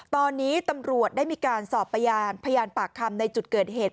ตอนนี้ตำรวจได้มีการสอบพยานพยานปากคำในจุดเกิดเหตุ